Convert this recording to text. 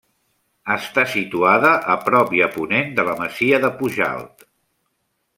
Està situada a prop i a ponent de la masia de Pujalt.